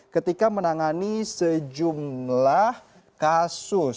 ketika menangani sejumlah kasus